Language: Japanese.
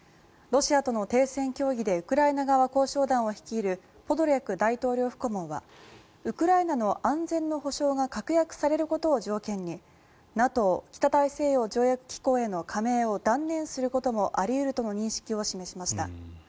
ロシアとの停戦協議でウクライナ側交渉団を率いるポドリャク大統領府顧問はウクライナの安全の保証が確約されることを条件にＮＡＴＯ・北大西洋条約機構への加盟を断念することもあり得るとの認識を示しました。